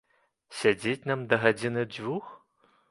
Сядзець нам да гадзіны-дзвюх?